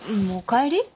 もう帰り。